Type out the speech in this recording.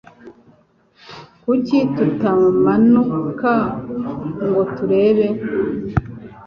Kuki tutamanuka ngo turebe